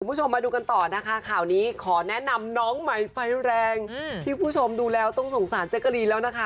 คุณผู้ชมมาดูกันต่อนะคะข่าวนี้ขอแนะนำน้องใหม่ไฟแรงที่คุณผู้ชมดูแล้วต้องสงสารเจ๊กกะลีนแล้วนะคะ